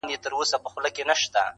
گـــډ وډ يـهـــوديـــان.